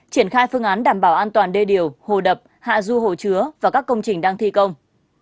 triển khai phương án đảm bảo an toàn đê điều hồ đập hạ du hồ chứa và các công trình đang thi công